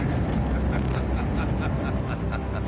ハハハハ！